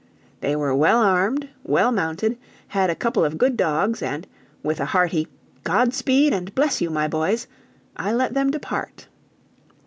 They were well armed, well mounted, had a couple of good dogs; and, with a hearty "God speed and bless you, my boys!" I let them depart.